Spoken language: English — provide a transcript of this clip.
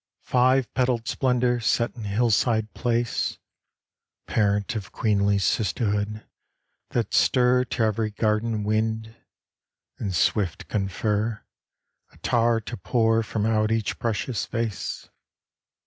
Five petaled splendor set in hillside place, Parent of queenly sisterhood that stir To every garden wind, and swift confer Attar to pour from out each precious vase!